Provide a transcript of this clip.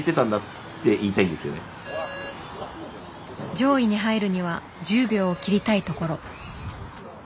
上位に入るには１０秒を切りたいところ。